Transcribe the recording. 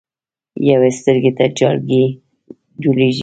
يوې سترګې ته جالکي جوړيږي